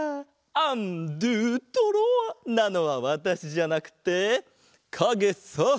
アンドゥトロワ！なのはわたしじゃなくてかげさ！